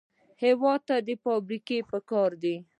هېواد ته فابریکې پکار دي